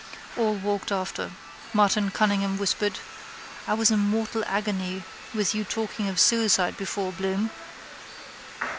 All walked after. Martin Cunningham whispered: —I was in mortal agony with you talking of suicide before Bloom.